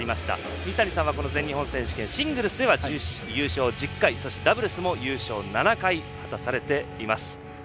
水谷さんは、この全日本選手権シングルスでは優勝１０回ダブルスも優勝７回、果たされています。